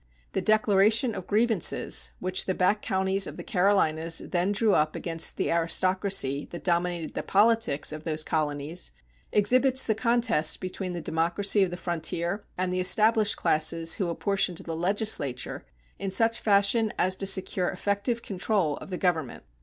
The Declaration of Grievances which the back counties of the Carolinas then drew up against the aristocracy that dominated the politics of those colonies exhibits the contest between the democracy of the frontier and the established classes who apportioned the legislature in such fashion as to secure effective control of government.